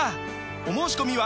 お申込みは